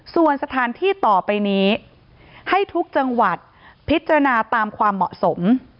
ส่วนสถานที่ต่อไปนี้ให้ทุกจังหวัดพิจารณาตามความเหมาะสม